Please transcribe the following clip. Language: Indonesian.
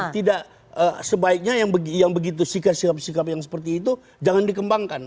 tidak sebaiknya yang begitu sikap sikap yang seperti itu jangan dikembangkan